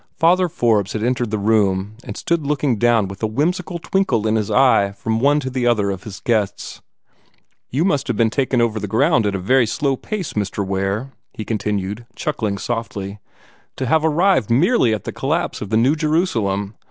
Father Forbes had entered the room, and stood looking down with a whimsical twinkle in his eye from one to the other of his guests. "You must have been taken over the ground at a very slow pace, Mr. Ware," he continued, chuckling softly, "to have arrived merely at the collapse of the New Jerusalem.